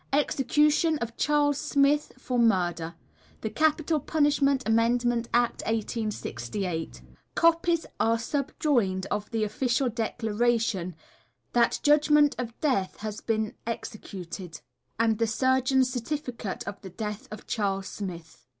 EXECUTION OF CHARLES SMITH FOR MURDER. (The Capital Punishment Amendment Act, 1868.) Copies are subjoined of the official declaration that judgement of death has been executed; and of the Surgeon's certificate of the death of Charles Smith.